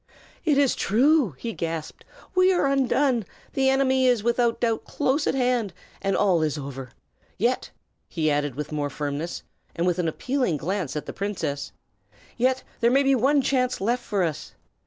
"It is true!" he gasped. "We are undone! The enemy is without doubt close at hand, and all is over. Yet," he added with more firmness, and with an appealing glance at the princess, "yet there may be one chance left for us.